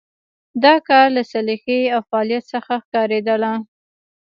د کار له سلیقې او فعالیت څخه ښکارېدله.